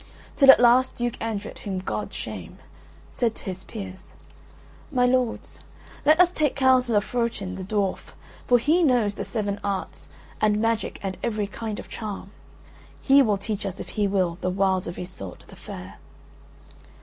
Till at last Duke Andret (whom God shame) said to his peers: "My lords, let us take counsel of Frocin the Dwarf; for he knows the seven arts, and magic and every kind of charm. He will teach us if he will the wiles of Iseult the Fair."